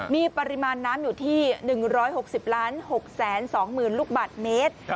มีปริมาณน้ำอยู่ที่๑๖๐๖๒๐๐๐ลูกบาทเมตร